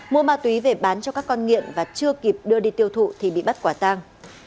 mua ma túy về bán cho các con nghiện và chưa kịp đưa đi tiêu thụ thì bị bắt quả tang